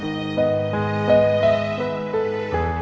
dia sudah kembali ke rumah sakit